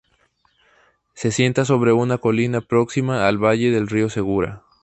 Se asienta sobre una colina próxima al valle del río Segura.